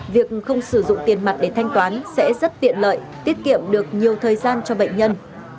việc không sử dụng tiền mặt để thanh toán sẽ rất tiện lợi tiết kiệm được nhiều thời gian cho bệnh nhân